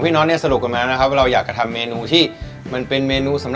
ใช่ครับจากเสียงหา